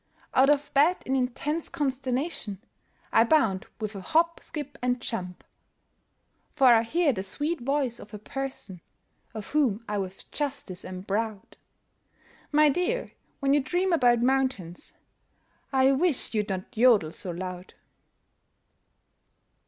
Out of bed, in intense consternation, I bound with a hop, skip, and jump. For I hear the sweet voice of a "person" Of whom I with justice am proud, "_My dear, when you dream about mountains, I wish you'd not jodel so loud!